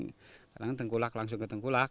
kadang tengkulak langsung ke tengkulak